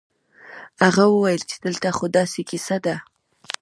هغه وويل چې دلته خو داسې کيسه ده.